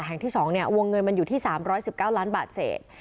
แห่งที่สองเนี้ยวงเงินมันอยู่ที่สามร้อยสิบเก้าล้านบาทเศษ